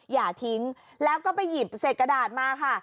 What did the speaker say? อย่าทิ้งแล้วก็ไปหยิบเศษกระดาษมาค่ะ